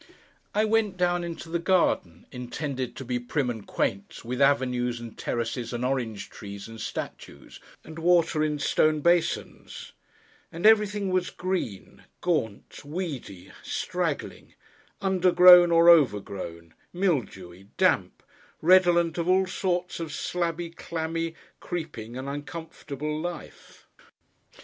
I went down into the garden, intended to be prim and quaint, with avenues, and terraces, and orange trees, and statues, and water in stone basins; and everything was green, gaunt, weedy, straggling, under grown or over grown, mildewy, damp, redolent of all sorts of slabby, clammy, creeping, and uncomfortable life.